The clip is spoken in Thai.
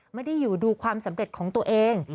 ไม่ได้อยู่ดูความสำเร็จของตัวเอง